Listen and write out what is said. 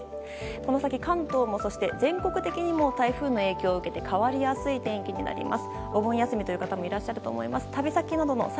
この先、関東もそして全国的にも台風の影響を受けて変わりやすい天気になります。